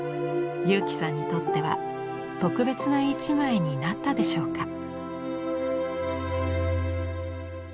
佑基さんにとっては「特別な一枚」になったでしょうか？